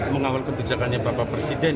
mengawal kebijakannya bapak presiden